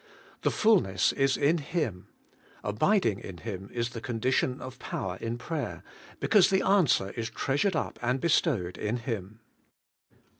The fulness is IK Him: abiding in Him is the condition of power in prayer, because the answer is treasured up and bestowed in Him.